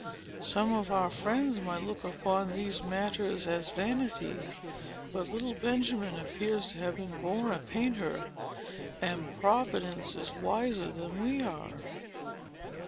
Some of our friends might look upon these matters as vanity; but little Benjamin appears to have been born a painter; and Providence is wiser than we are."